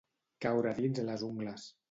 Caure dins les ungles.